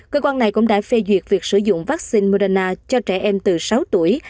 cơ quan này cũng đã phê duyệt việc sử dụng vắc xin moderna cho trẻ em từ sáu tuổi